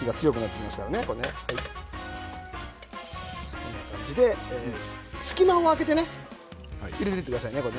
こんな感じで隙間を空けて入れていってくださいね。